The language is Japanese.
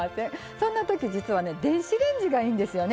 そんなとき、実は電子レンジがいいんですよね。